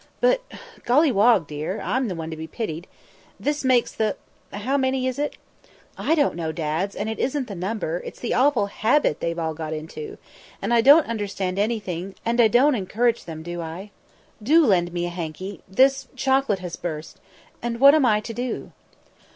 "But, Golliwog dear, I'm the one to be pitied. This makes the how many is it?" "I don't know, Dads, and it isn't the number; it's the awful habit they've got into and I don't understand anything and I don't encourage them, do I? Do lend me a hankie this chocolate has burst and what am I to do?"